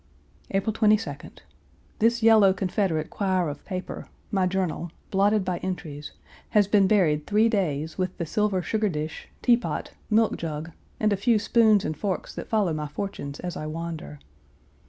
April 22d. This yellow Confederate quire of paper, my journal, blotted by entries, has been buried three days with the silver sugar dish, teapot, milk jug, and a few spoons and forks that follow my fortunes as I wander.